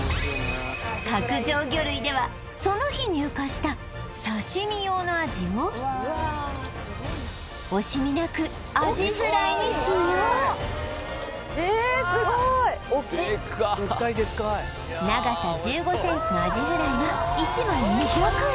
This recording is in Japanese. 角上魚類ではその日入荷した刺身用のアジを惜しみなくアジフライに使用おっきい長さ１５センチのアジフライは１枚２００円